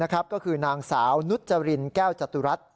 ก็คือนางสาวนุจรินแก้วจตุรัส